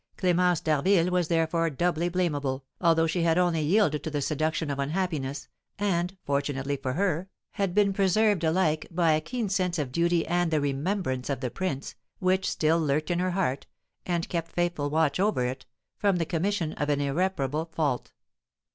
Clémence d'Harville was therefore doubly blamable, although she had only yielded to the seduction of unhappiness, and, fortunately for her, had been preserved alike by a keen sense of duty and the remembrance of the prince (which still lurked in her heart, and kept faithful watch over it) from the commission of an irreparable fault.